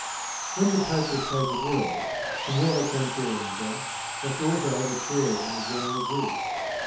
When the Pope was taken ill, Signora Concenza must also have a share in the general grief.